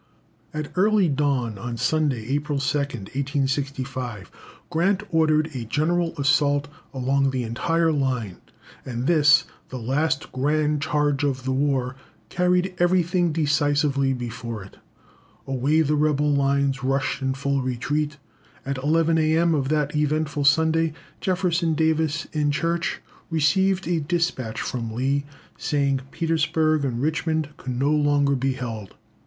At early dawn on Sunday, April 2nd, 1865, Grant ordered a general assault along the entire line, and this, the last grand charge of the war, carried everything decisively before it. Away the rebel lines rushed in full retreat. At eleven a.m. of that eventful Sunday, Jefferson Davis, in church, received a despatch from Lee, saying Petersburg and Richmond could no longer be held.